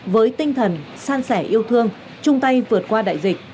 với tinh thần san sẻ yêu thương chung tay vượt qua đại dịch